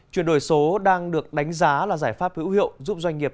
chuyển đổi số đang được đánh giá là giải pháp hữu hiệu giúp doanh nghiệp